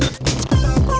wah keren banget